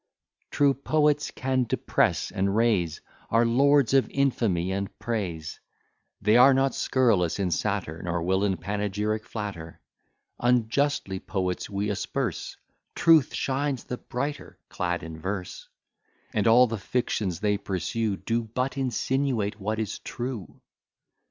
True poets can depress and raise, Are lords of infamy and praise; They are not scurrilous in satire, Nor will in panegyric flatter. Unjustly poets we asperse; Truth shines the brighter clad in verse, And all the fictions they pursue Do but insinuate what is true.